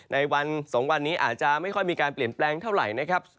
ในวัน๒วันนี้อาจจะไม่ค่อยมีการเปลี่ยนแปลงเท่าไหร่นะครับ